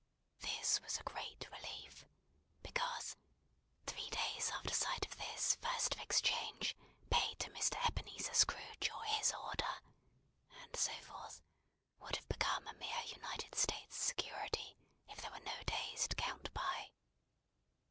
This was a great relief, because "three days after sight of this First of Exchange pay to Mr. Ebenezer Scrooge or his order," and so forth, would have become a mere United States' security if there were no days to count by.